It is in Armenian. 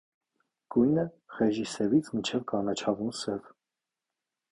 Գույնը՝ խեժի սևից մինչև կանաչավուն սև։